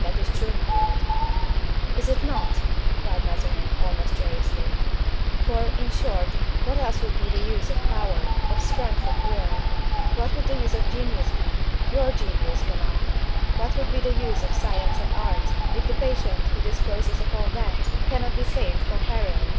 "That is true, my lord." "Is it not?" cried Mazarin, almost joyously; "for, in short, what else would be the use of power, of strength of will? What would the use of genius be—your genius, Guenaud? What would be the use of science and art, if the patient, who disposes of all that, cannot be saved from peril?"